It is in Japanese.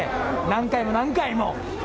何回も何回も！